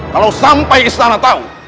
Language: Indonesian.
kalau sampai istana tahu